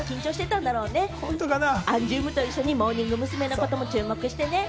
アンジュルムと一緒にモーニング娘。のことも注目してね。